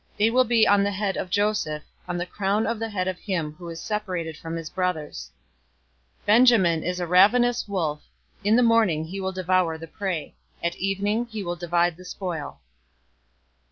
They will be on the head of Joseph, on the crown of the head of him who is separated from his brothers. 049:027 "Benjamin is a ravenous wolf. In the morning he will devour the prey. At evening he will divide the spoil."